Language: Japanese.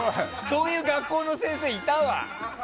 そういう学校の先生、いたわ！